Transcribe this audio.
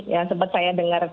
ya tadi sempat saya dengar